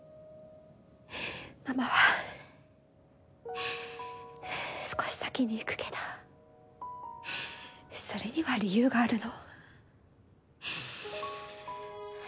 ママは少し先にいくけどそれには理由があるの。